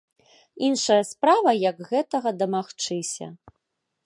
Іншая справа, як гэтага дамагчыся.